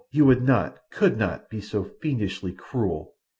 "You would not—could not be so fiendishly cruel!"